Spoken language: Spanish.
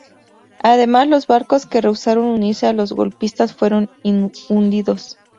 Además, los barcos que rehusaron unirse a los golpistas fueron hundidos.